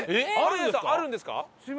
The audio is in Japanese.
あるんですか？